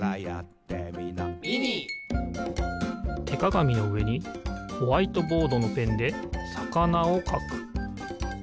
てかがみのうえにホワイトボードのペンでさかなをかく。